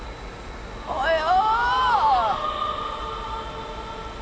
およ！